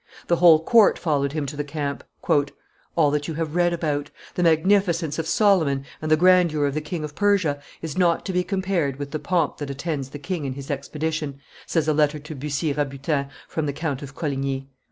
The whole court followed him to the camp. "All that you have read about the magnificence of Solomon and the grandeur of the King of Persia, is not to be compared with the pomp that attends the king in his expedition," says a letter to Bussy Rabutin from the Count of Coligny.